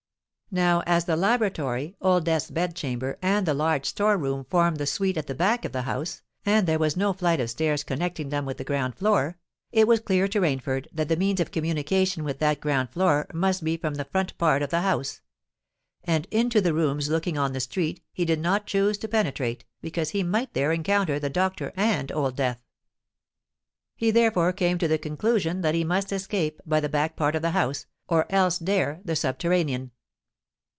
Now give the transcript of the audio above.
Now as the laboratory, Old Death's bed chamber and the larger store room formed the suite at the back of the house, and there was no flight of stairs connecting them with the ground floor, it was clear to Rainford that the means of communication with that ground floor must be from the front part of the house; and into the rooms looking on the street he did not choose to penetrate, because he might there encounter the doctor and Old Death. He therefore came to the conclusion that he must escape by the back part of the house, or else dare the subterranean.